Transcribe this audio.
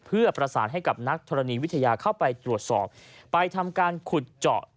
เพื่อประสานให้กับนักธรณีวิทยาเข้าไปตรวจสอบไปทำการขุดเจาะ